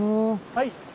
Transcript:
はい。